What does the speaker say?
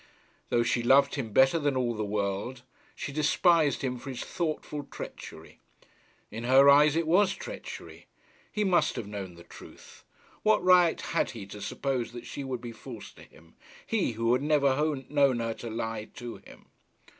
Though she loved him better than all the world, she despised him for his thoughtful treachery. In her eyes it was treachery. He must have known the truth. What right had he to suppose that she would be false to him, he, who had never known her to lie to him?